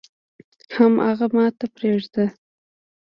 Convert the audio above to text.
حم اغه ماته پرېده.